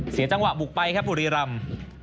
เสียจังหวะบุกไปครับบุรีรำ